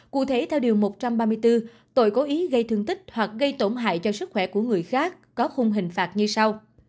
cụ thể theo điều một trăm ba mươi bốn tội cố ý gây thương tích hoặc gây tổn hại cho sức khỏe của người khác có khung hình phạt như sau